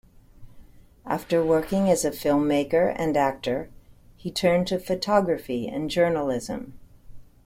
After working as a filmmaker and actor, he turned to photography and journalism.